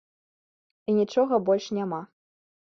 І нічога больш няма.